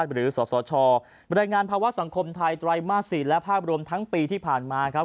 หรือสสชบรรยายงานภาวะสังคมไทยไตรมาส๔และภาพรวมทั้งปีที่ผ่านมาครับ